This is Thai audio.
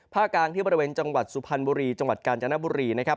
กลางที่บริเวณจังหวัดสุพรรณบุรีจังหวัดกาญจนบุรีนะครับ